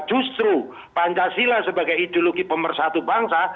justru pancasila sebagai ideologi pemersatu bangsa